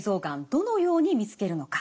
どのように見つけるのか。